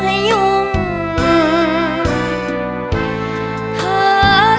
เพราะเธอชอบเมืองเมือง